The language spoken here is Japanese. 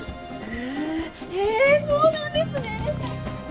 へぇへぇそうなんですね。